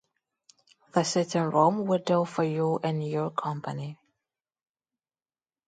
The sitting room will do for you and your company.